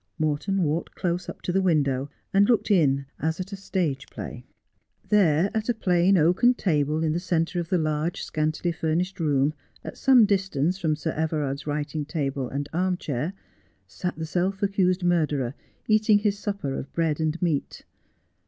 Morton walked close up to the window, and looked in as at a stage play. There at a plain oaken table in the centre of the large, scantily furnished room, at some distance from Sir Everard's writing table and arm chair, sat the self accused murderer, eating his supper of bread and meat.